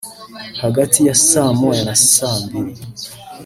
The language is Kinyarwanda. Hagati ya saa moya na saa mbiri